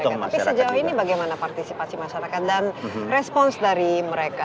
tapi sejauh ini bagaimana partisipasi masyarakat dan respons dari mereka